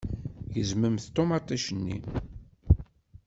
Gezment ṭumaṭic-nni.